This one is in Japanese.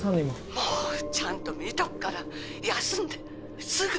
もうちゃんと見とくから休んですぐ。